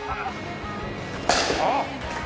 あっ！